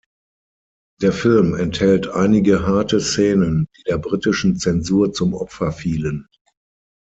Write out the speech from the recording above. Der Film enthält einige harte Szenen, die der britischen Zensur zum Opfer fielen.